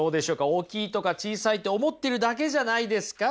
大きいとか小さいって思ってるだけじゃないですか？